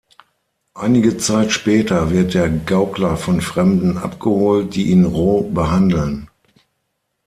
Einige Zeit später wird der Gaukler von Fremden abgeholt, die ihn roh behandeln.